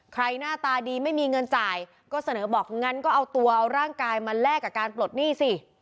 หน้าตาดีไม่มีเงินจ่ายก็เสนอบอกงั้นก็เอาตัวเอาร่างกายมาแลกกับการปลดหนี้สิ